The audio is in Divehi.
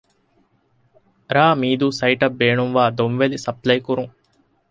ރ.މީދޫ ސައިޓަށް ބޭނުންވާ ދޮންވެލި ސަޕްލައިކުރުން